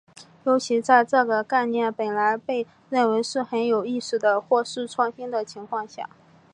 尤其在这个概念本来被认为是很有意思的或是创新的情况下。